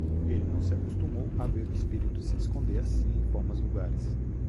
Ele não se acostumou a ver o espírito se esconder assim em formas vulgares.